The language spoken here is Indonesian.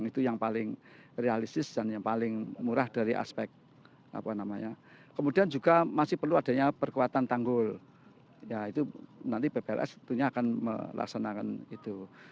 itu yang paling realistis dan yang paling murah dari aspek apa namanya kemudian juga masih perlu adanya perkuatan tanggul ya itu nanti ppls tentunya akan melaksanakan itu